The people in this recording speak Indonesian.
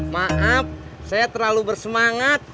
maaf saya terlalu bersemangat